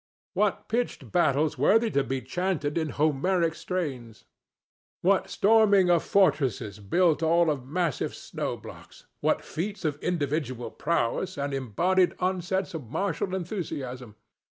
What pitched battles worthy to be chanted in Homeric strains! What storming of fortresses built all of massive snow blocks! What feats of individual prowess and embodied onsets of martial enthusiasm!